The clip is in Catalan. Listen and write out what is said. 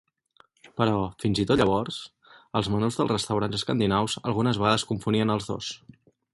Però, fins i tot llavors, els menús dels restaurants escandinaus algunes vegades confonien els dos.